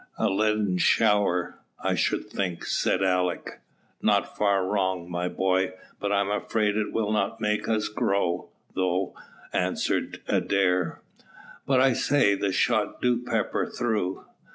"A leaden shower, I should think," said Alick. "Not far wrong, my boy, but I'm afraid it will not make us grow, though," answered Adair. "But I say, the shot do pepper, though."